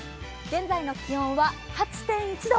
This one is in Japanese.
現在の気温は８．１度